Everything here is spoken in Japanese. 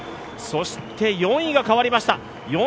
そして４位が変わりました。